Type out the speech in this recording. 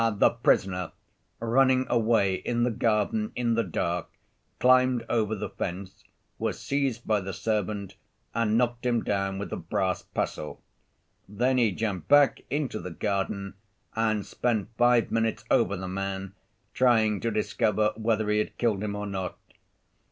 "The prisoner, running away in the garden in the dark, climbed over the fence, was seized by the servant, and knocked him down with a brass pestle. Then he jumped back into the garden and spent five minutes over the man, trying to discover whether he had killed him or not.